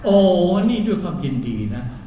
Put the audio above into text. อ๋อนี่ด้วยความยินดีนะ